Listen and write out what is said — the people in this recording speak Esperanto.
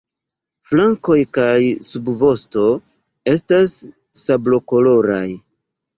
Flankoj kaj subvosto estas sablokoloraj.